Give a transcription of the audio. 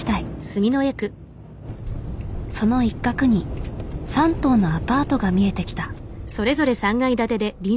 その一角に３棟のアパートが見えてきた。